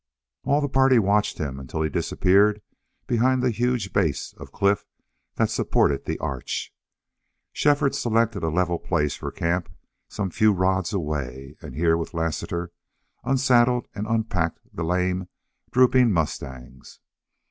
All the party watched him until he disappeared behind the huge base of cliff that supported the arch. Shefford selected a level place for camp, some few rods away, and here, with Lassiter, unsaddled and unpacked the lame, drooping mustangs.